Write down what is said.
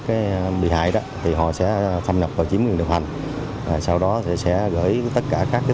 lực lượng bị hại đó thì họ sẽ thâm nhập vào chiếm quyền điều hành sau đó sẽ gửi tất cả các cái